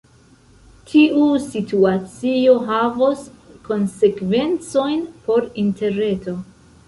Tiu situacio havos konsekvencojn por Interreto.